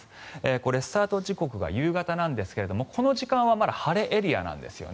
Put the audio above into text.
これ、スタート時刻が夕方なんですがこの時間はまだ晴れエリアなんですよね。